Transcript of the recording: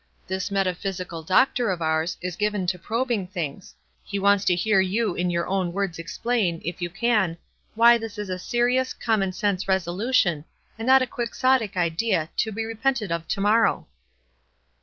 This metaphysical doctor of ours is given to probing things — he wants to hear you in youi own words explain, if you can, why this is a serious, common sense resolution, and not a quixotic idea, to be repented of to morrow?"